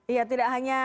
iya tidak hanya